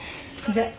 じゃあ。